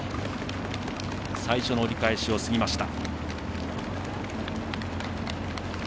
最初の折り返しを過ぎました。